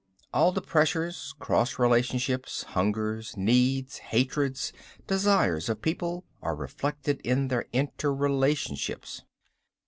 "All the pressures, cross relationships, hungers, needs, hatreds, desires of people are reflected in their interrelationships.